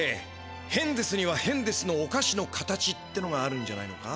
ヘンデスにはヘンデスのおかしの形ってのがあるんじゃないのか？